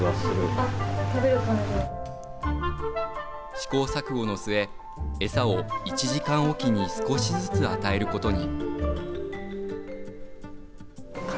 試行錯誤の末餌を１時間おきに少しずつ与えることに。